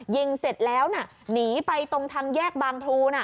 ยิงเสร็จแล้วหนีไปตรงทางแยกบางพลูน่ะ